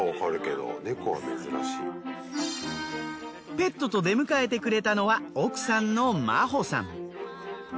ペットと出迎えてくれたのは奥さんの真穂さん。